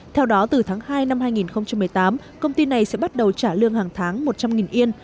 theo đó từ tháng hai năm hai nghìn một mươi tám công ty này sẽ bắt đầu trả lương hàng tháng một trăm linh yên